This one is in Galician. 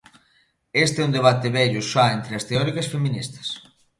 Este é un debate vello xa entre as teóricas feministas.